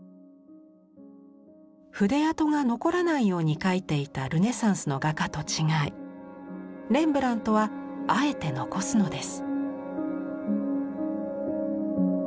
筆跡が残らないように描いていたルネサンスの画家と違いレンブラントはあえて残すのです。